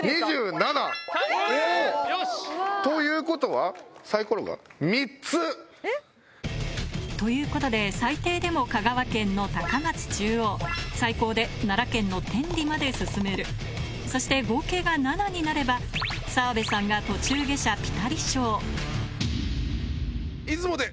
２７！ということはサイコロが３つ！ということで最低でも香川県の高松中央最高で奈良県の天理まで進めるそして合計が７になれば澤部さんが途中下車ピタリ賞出雲で！